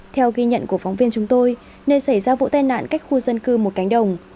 theo ghi nhận của phóng viên chúng tôi nơi xảy ra vụ tai nạn cách khu dân cư một cánh đồng